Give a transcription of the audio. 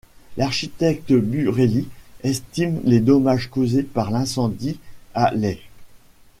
L'architecte Burelli estime les dommages causés par l'incendie à lei.